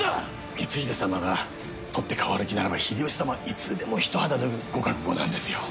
光秀様がとって変わる気ならば秀吉様いつでも一肌脱ぐご覚悟なんですよ